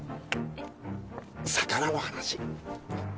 魚の話！